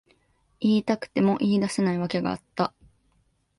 言いたくても言い出せない訳があった。